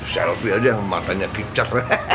selfie aja yang matanya kicap